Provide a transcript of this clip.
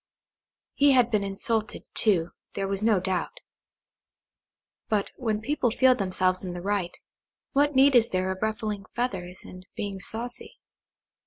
He had been insulted, too, there was no doubt; but when people feel themselves in the right, what need is there of ruffling feathers and being saucy?